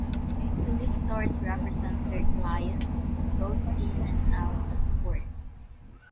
Solicitors represent their clients both in and out of court.